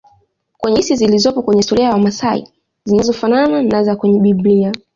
Kwenye hadithi zilizopo kwenye historia ya wamasai zinazofanana na za kwenye bibilia